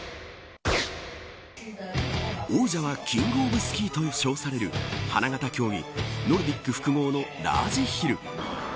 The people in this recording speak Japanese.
王者はキング・オブ・スキーとも称される花形競技ノルディック複合のラージヒル。